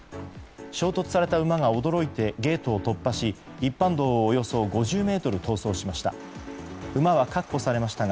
衝突された馬が驚いてゲートを突破し一般道をおよそ５０ｍ逃走しました。